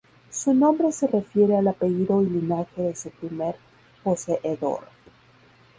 Su nombre se refiere al apellido y linaje de su primer poseedor.